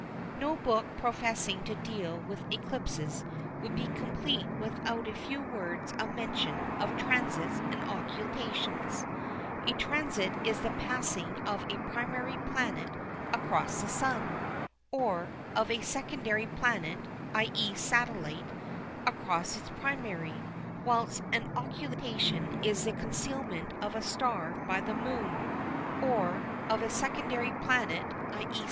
No book professing to deal with eclipses would be complete without a few words of mention of "transits" and "occultations." A transit is the passing of a primary planet across the Sun, or of a secondary planet (i.e. satellite) across its primary, whilst an occultation is the concealment of a star by the Moon, or of a secondary planet (_i.e.